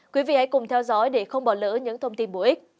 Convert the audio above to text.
quý vị hãy cùng theo dõi để không bỏ lỡ những thông tin bổ ích